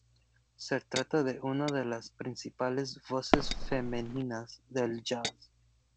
Se trata de una de las principales voces femeninas del jazz.